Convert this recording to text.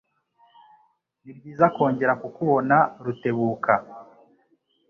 Nibyiza kongera kukubona, Rutebuka.